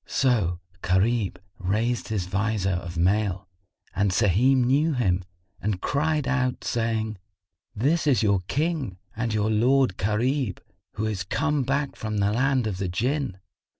So Gharib raised his vizor of mail and Sahim knew him and cried out, saying, "This is your King and your lord Gharib, who is come back from the land of the Jann!"